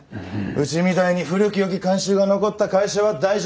うちみたいに古きよき慣習が残った会社は大丈夫ですよ。